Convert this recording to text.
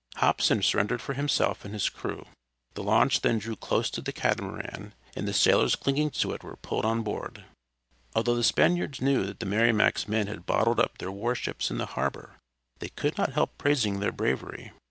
Hobson surrendered for himself and his crew. The launch then drew close to the catamaran, and the sailors clinging to it were pulled on board. Although the Spaniards knew that the Merrimac's men had bottled up their war ships in the harbor, they could not help praising their bravery.